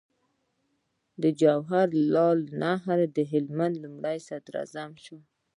جواهر لال نهرو د هند لومړی صدراعظم شو.